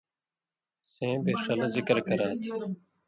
سیں بے ݜلہ ذکر کرا تھہ۔